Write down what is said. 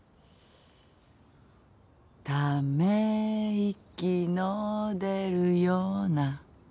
「ためいきの出るような」